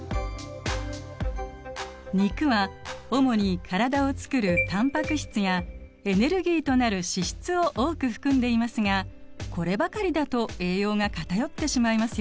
肉は主に体をつくるタンパク質やエネルギーとなる脂質を多く含んでいますがこればかりだと栄養が偏ってしまいますよね。